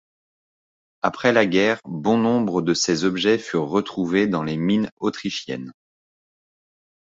Après la guerre bon nombre de ces objets furent retrouvés dans les mines autrichiennes.